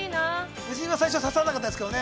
◆夫人は最初ささらなかったですけどね。